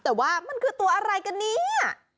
แต่ว่ามันคือตัวอะไรกันเนี่ย